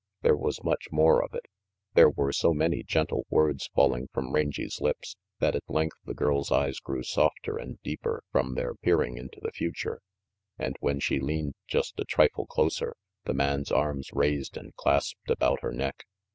" There was much more of it; there were so many gentle words falling from Rangy's lips, that at length the girl's eyes grew softer and deeper from their peering into the future, and when she leaned just a trifle closer, the man's arms raised and clasped about her neck.